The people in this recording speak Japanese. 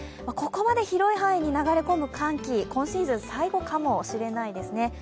ここまで広い範囲に流れ込む寒気、今シーズン最後かもしれないですね。